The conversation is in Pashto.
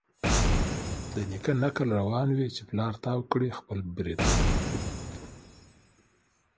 د نیکه نکل روان وي چي پلار تاو کړي خپل برېتونه